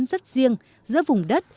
rất riêng giữa vùng đất